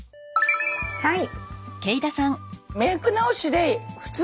はい。